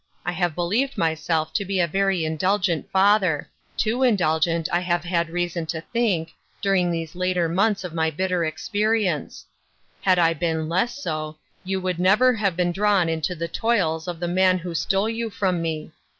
I have be lieved myself to be a very indulgent father ; too indulgent, I have had reason to think, during these later months of my bitter experience ; had I been less so, you would never have been drawn into the toils of the man who stole you from me.